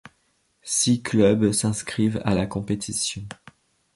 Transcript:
Six club s'inscrivent à la compétition.